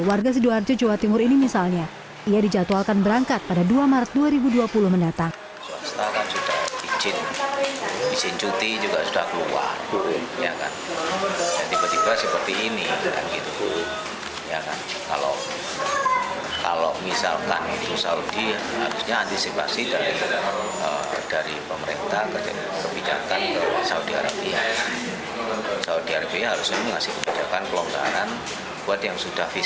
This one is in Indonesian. warga sidoarjo jawa timur ini misalnya ia dijadwalkan berangkat pada dua dua dua puluh mendatang